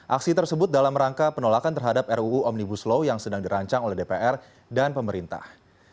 aksi tersebut dalam rangka penolakan terhadap ruu omnibus law yang sedang dirancang oleh dpr dan pemerintah